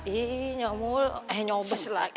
ih nyobes lah